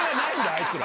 あいつら。